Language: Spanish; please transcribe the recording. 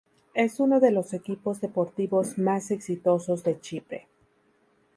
Es uno de los equipos deportivos más exitosos de Chipre.